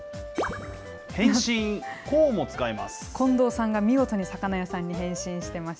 変身、こうも使えます。